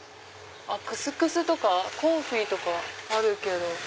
クスクスとかコンフィとかある。